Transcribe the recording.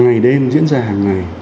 ngày đêm diễn ra hàng ngày